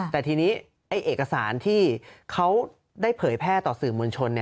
แต่ทีนี้เอกสารที่เขาได้เผยแพร่ต่อสื่อมวลชน